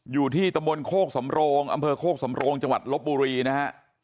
อยู่ที่ตะบนโคกสำโรงอำเภอโคกสำโรงจังหวัดลบบุรีนะฮะ